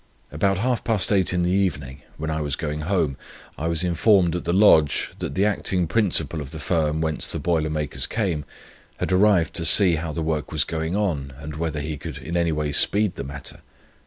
About half past eight in the evening, when I was going home, I was informed at the lodge, that the acting principal of the firm, whence the boiler makers came, had arrived to see how the work was going on, and whether he could in any way speed the matter.